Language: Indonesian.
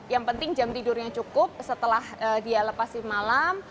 yang penting jam tidurnya cukup setelah dia lepas di malam